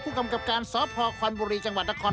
กำกับการสพควันบุรีจังหวัดนคร